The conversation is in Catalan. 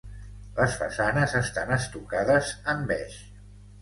Les façanes estan estucades en beix.